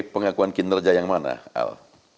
pengakuan kinerja yang mana al